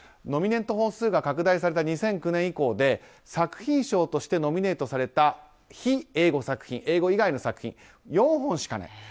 ノミネート本数が拡大された２００９年以降で作品賞としてノミネートされた非英語作品英語以外の作品４本しかない。